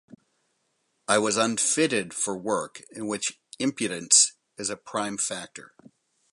I was unfitted for work in which impudence is a prime factor.